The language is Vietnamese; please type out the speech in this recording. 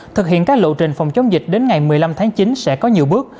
thực hiện các lộ trình phòng chống dịch đến ngày một mươi năm tháng chín sẽ có nhiều bước